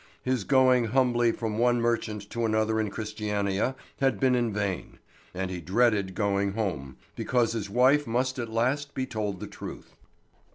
His going humbly from one merchant to another in Christiania had been in vain; and he dreaded going home, because his wife must at last be told the truth.